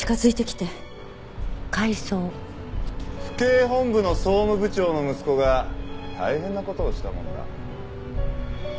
府警本部の総務部長の息子が大変な事をしたもんだ。